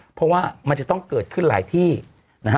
เพราะว่ามันจะต้องเกิดขึ้นหลายที่นะฮะ